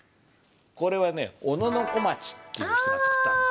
これはね小野小町っていう人が作ったんです。